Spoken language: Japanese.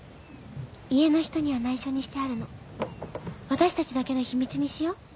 家の人には内緒にしてあるの私たちだけの秘密にしよう。